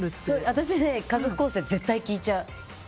私、家族構成は絶対聞いちゃう。